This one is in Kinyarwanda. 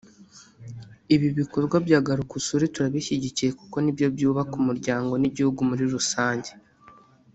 Ibi bikorwa bya Garuka Usure turabishyigikiye kuko ni byo byubaka umuryango n’igihugu muri rusange